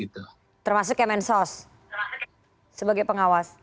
termasuk kementsos sebagai pengawas